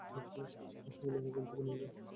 বাচ্চাগুলোকে এখান থেকে নিয়ে যাও।